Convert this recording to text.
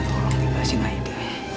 tolong bebasin aida